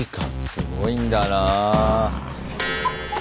すごいんだな。